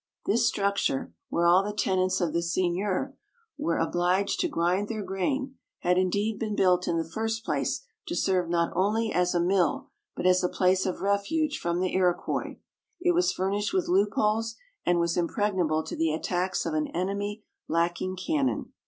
This structure, where all the tenants of the seigneur were obliged to grind their grain, had indeed been built in the first place to serve not only as a mill, but as a place of refuge from the Iroquois. It was furnished with loopholes, and was impregnable to the attacks of an enemy lacking cannon.